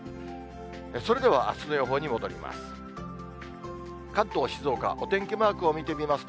それではあすの予報に戻ります。